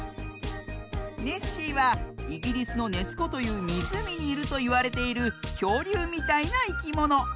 ネッシーはイギリスの「ネスこ」というみずうみにいるといわれているきょうりゅうみたいないきもの。